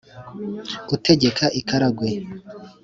utegeka i karagwe;